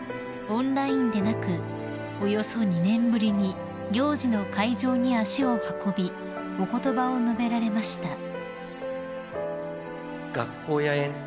オンラインでなくおよそ２年ぶりに行事の会場に足を運びお言葉を述べられました］